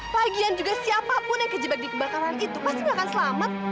pagian juga siapapun yang kejebak di kebakaran itu pasti nggak akan selamat